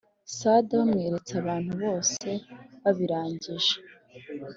sada bamweretse abantu bose babirangije